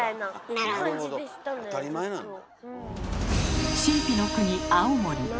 なるほど当たり前なんだ。